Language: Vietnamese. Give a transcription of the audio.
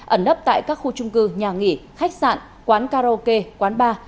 ẩn nấp tại các khu trung cư nhà nghỉ khách sạn quán karaoke quán bar